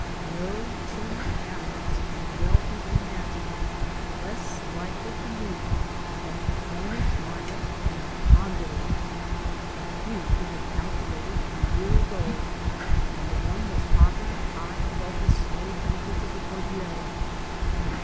No two animals can well be imagined less likely to meet than a Cornish miner and a condor, and few could have calculated, a year ago, when the one was hovering high above the snowy pinnacles of the Cordillera, and the.